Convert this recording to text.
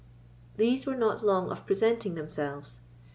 These were not long of presenting themselves.